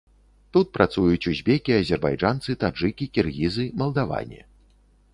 Тут працуюць узбекі, азербайджанцы, таджыкі, кіргізы, малдаване.